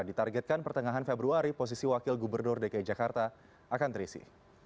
ditargetkan pertengahan februari posisi wakil gubernur dki jakarta akan terisi